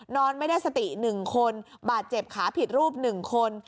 นอนไม่ได้สติ๑คนบาดเจ็บขาผิดรูป๑คน